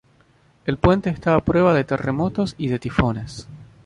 El puente está a prueba de terremotos y de tifones.